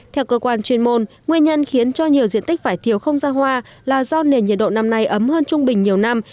theo cơ quan chuyên môn nguyên nhân khiến cho nhiều diện tích vải thiều không ra hoa là do nền nhiệt độ năm nay ấm hơn trung bình nhiều năm